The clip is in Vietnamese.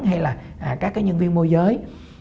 hay là các cái nhân viên môi giới